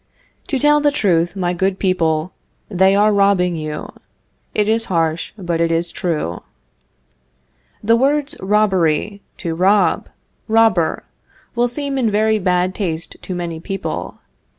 To tell the truth, my good people, they are robbing you. It is harsh, but it is true. The words robbery, to rob, robber, will seem in very bad taste to many people.